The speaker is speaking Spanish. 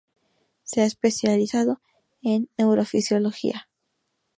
Se ha especializado en Neurofisiología.